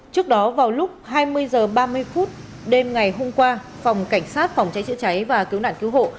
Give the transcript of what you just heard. trước đó vào lúc hai mươi h ba mươi phút đêm ngày hôm qua phòng cảnh sát phòng cháy chữa cháy và cứu nạn cứu hộ